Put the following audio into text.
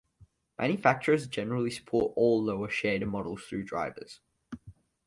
Manufacturers generally support all lower shader models through drivers.